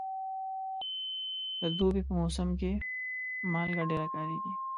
د دوبي په موسم کې مالګه ډېره کارېږي.